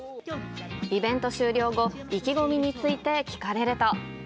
イベント終了後、意気込みについて聞かれると。